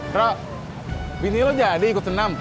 bro bini lu jadi kok tenam